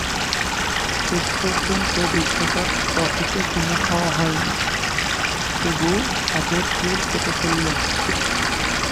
শেষ পর্যন্ত বিশ্বকাপ ট্রফিতে চুমু খাওয়া হয়নি, তবু সাধের চুল কেটে ফেললেন।